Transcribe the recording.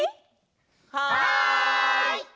はい！